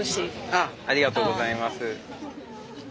ありがとうございます。